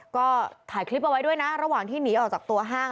ก็ถ่ายคลิปเอาไว้ด้วยนะระหว่างที่หนีออกจากตัวห้าง